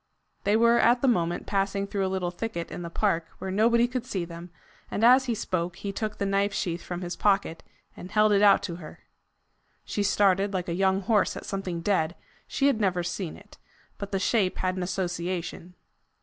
They were at the moment passing through a little thicket in the park, where nobody could see them, and as he spoke, he took the knife sheath from his pocket, and held it out to her. She started like a young horse at something dead: she had never seen it, but the shape had an association.